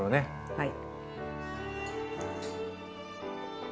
はい。